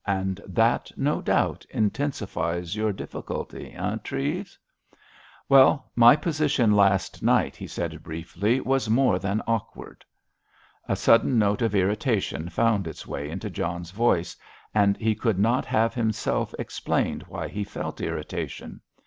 "And that, no doubt, intensifies your difficulty, eh, Treves?" "Well, my position last night," he said briefly, "was more than awkward." A sudden note of irritation found its way into John's voice; he could not have himself explained why he felt irritation.